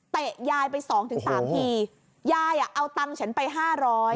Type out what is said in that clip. เตะยายไป๒๓ทียายเอาตังฉันไป๕๐๐บาท